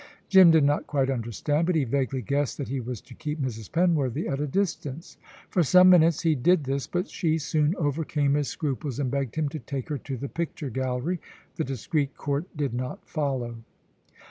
Jim did not quite understand, but he vaguely guessed that he was to keep Mrs. Penworthy at a distance. For some minutes he did this, but she soon overcame his scruples, and begged him to take her to the picture gallery. The discreet court did not follow.